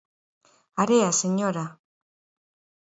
¡Area, señora!